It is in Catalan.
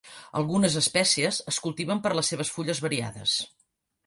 Algunes espècies es cultiven per les seves fulles variades.